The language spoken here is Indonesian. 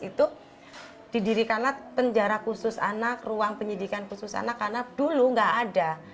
itu didirikanlah penjara khusus anak ruang penyidikan khusus anak karena dulu nggak ada